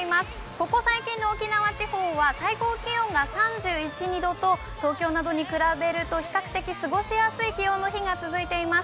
ここ最近の沖縄地方は最高気温が３１３２度と、東京などに比べると、比較的過ごしやすい気温の日が続いています。